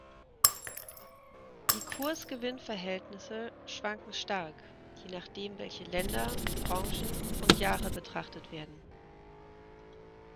Die Kurs-Gewinn-Verhältnisse schwanken stark, je nachdem, welche Länder, Branchen und Jahre betrachtet werden.